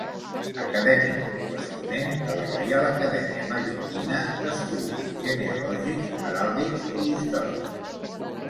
Acadèmic Corresponent de la Reial Acadèmia Mallorquina d'Estudis Genealògics, Heràldics i Històrics.